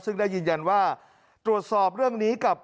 ซึ่งได้ยืนยันว่าตรวจสอบเรื่องนี้กับ